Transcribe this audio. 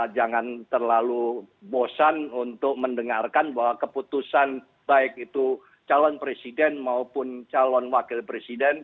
jangan terlalu bosan untuk mendengarkan bahwa keputusan baik itu calon presiden maupun calon wakil presiden